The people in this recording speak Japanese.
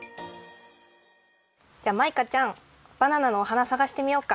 じゃあマイカちゃんバナナのお花さがしてみよっか。